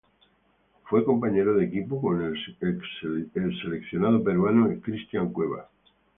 Fue compañero de equipo con el seleccionado peruano Christian Cueva.